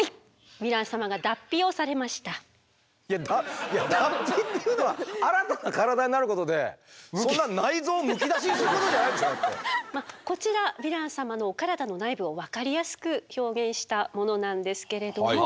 ヴィラン様がいや脱皮っていうのは新たな体になることでそんなこちらヴィラン様のお体の内部を分かりやすく表現したものなんですけれども。